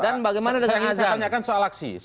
dan bagaimana dengan ajas